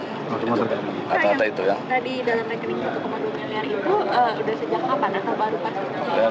tadi dalam rekening dokumen miliar itu sudah sejak kapan